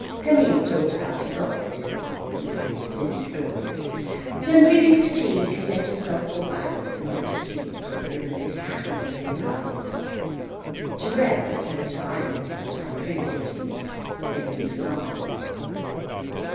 Camille talked about his office, and related silly stories; then, feeling fatigued, he let himself fall backward and went to sleep with the rim of his hat over his eyes. Thérèse had closed her eyelids some time previously, feigning slumber.